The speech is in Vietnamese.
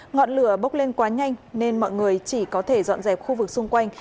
ngọn lửa bốc lên quá nhanh nên mọi người chỉ có thể dọn dẹp khu vực xung quanh